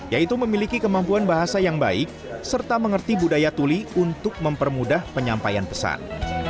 yaitu memiliki kemampuan bahasa yang baik serta mengerti budaya tuli untuk mempermudah penyampaian pesan